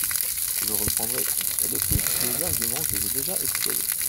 Je reprendrai, une fois de plus, les arguments que j’ai déjà exposés.